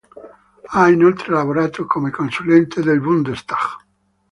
Ha inoltre lavorato come consulente del Bundestag.